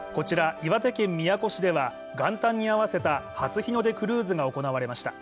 岩手県宮古市では元旦に合わせた初日の出クルーズが行われました。